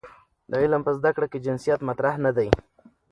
د علم په زده کړه کې جنسیت مطرح نه دی.